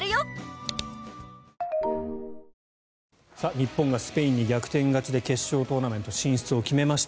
日本がスペインに逆転勝ちで決勝トーナメント進出を決めました。